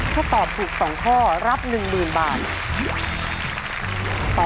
ถ้าตอบถูก๒ข้อรับ๑๐๐๐บาท